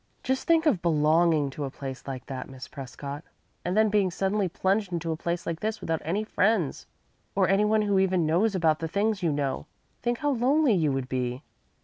Just think of belonging to a place like that, Miss Prescott, and then being suddenly plunged into a place like this without any friends or any one who even knows about the things you know think how lonely you would be!"